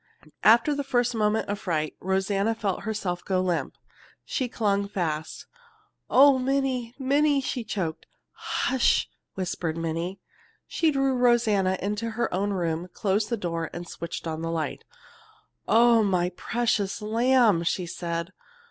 After the first moment of fright, Rosanna felt herself go limp. She clung fast. "Oh, Minnie, Minnie!" she choked. "Hush!" whispered Minnie. She drew Rosanna into her own room, closed the door, and switched on the light. "Oh, my precious lamb!" she said.